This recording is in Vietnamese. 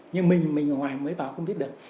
nhưng mình mình ở ngoài mới vào không biết được